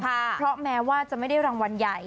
เพราะแม้ว่าจะไม่ได้รางวัลใหญ่